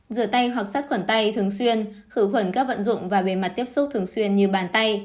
rửa tay hoặc sát khuẩn tay thường xuyên khử khuẩn các vận dụng và bề mặt tiếp xúc thường xuyên như bàn tay